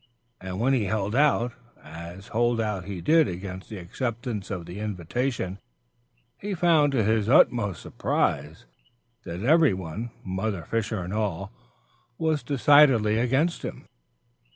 And when he held out, as hold out he did against the acceptance of the invitation, he found to his utmost surprise that every one, Mother Fisher and all, was decidedly against him.